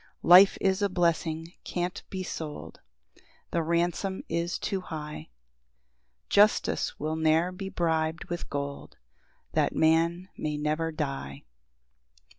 4 [Life is a blessing can't be sold, The ransom is too high; Justice will ne'er be brib'd with gold That man may never die.